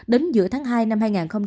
đến giữa tháng hai năm hai nghìn hai mươi